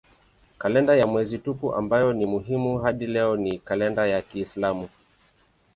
Kalenda ya mwezi tupu ambayo ni muhimu hadi leo ni kalenda ya kiislamu.